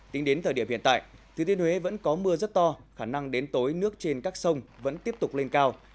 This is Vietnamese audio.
tính đến thời điểm hiện tại thừa thiên huế vẫn có mưa rất to khả năng đến tối nước trên các sông vẫn tiếp tục lên cao